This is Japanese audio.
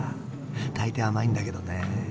大体甘いんだけどねえ。